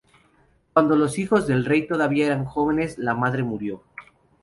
Cuando los hijos del rey todavía eran jóvenes, la madre murió.